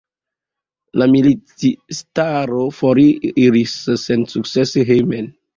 La militistaro foriris sensukcese hejmen.